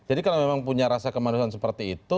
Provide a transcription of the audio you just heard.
jadi kalau memang punya rasa kemanusiaan seperti itu